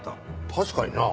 確かにな。